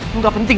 lo gak penting